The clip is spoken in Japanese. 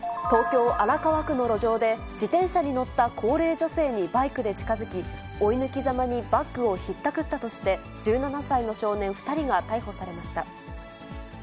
東京・荒川区の路上で、自転車に乗った高齢女性にバイクで近づき、追い抜きざまにバッグをひったくったとして、１７歳の少年２人が逮捕されました。